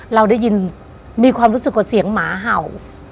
เราได้ยินมีความรู้สึกว่าเสียงหมาเห่า